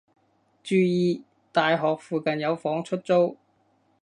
注意！大學附近有房出租